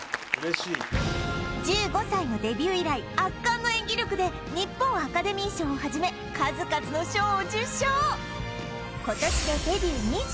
１５歳のデビュー以来圧巻の演技力で日本アカデミー賞をはじめ数々の賞を受賞今年でデビュー